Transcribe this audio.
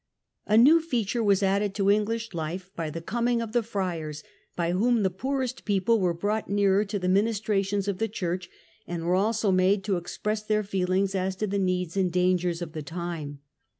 A new feature was added to English life by the coming of the Friars, by whom the poorest people were ^^„. i ^ i_^ *. xu ••^^' r ^i_ The Friars. brought nearer to the mmistrations of the church, and were also made to express their feelings as to the needs and dangers of the time.